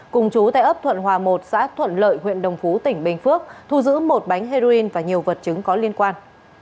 cùng chú tại ấp thuận hòa một xã thuận lợi huyện đồng phú tỉnh bình phước thu giữ một bánh heroin và nhiều vật chứng có liên quan